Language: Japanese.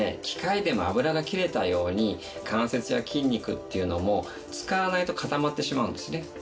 機械でも油が切れたように関節や筋肉っていうのも使わないと固まってしまうんですね。